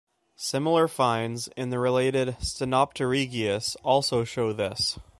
Similar finds in the related "Stenopterygius" also show this.